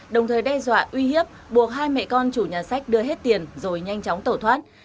đồng thời đe dọa uy hiếp buộc hai mẹ con chủ nhà sách đưa hết tiền rồi nhanh chóng tẩu thoát